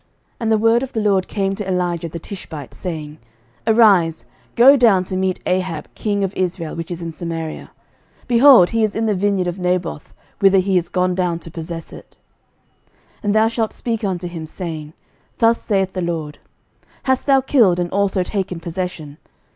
11:021:017 And the word of the LORD came to Elijah the Tishbite, saying, 11:021:018 Arise, go down to meet Ahab king of Israel, which is in Samaria: behold, he is in the vineyard of Naboth, whither he is gone down to possess it. 11:021:019 And thou shalt speak unto him, saying, Thus saith the LORD, Hast thou killed, and also taken possession?